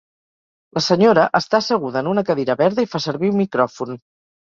La senyora està asseguda en una cadira verda i fa servir un micròfon.